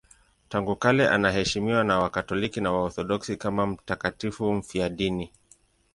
Tangu kale anaheshimiwa na Wakatoliki na Waorthodoksi kama mtakatifu mfiadini.